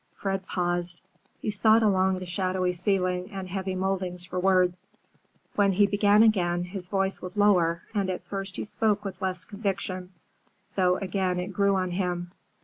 Fred paused. He sought along the shadowy ceiling and heavy mouldings for words. When he began again, his voice was lower, and at first he spoke with less conviction, though again it grew on him.